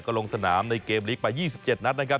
ลงสนามในเกมลีกไป๒๗นัดนะครับ